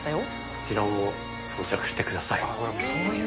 こちらを装着してください。